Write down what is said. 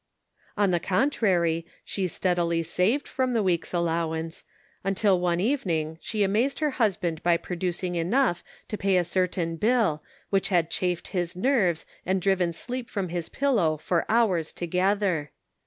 On the contrary, she steadily saved from the week's allowance, until one evening she amazed her husband by producing enough to pay a certain bill which had chafed his nerves and driven sleep from his pillow for hours together.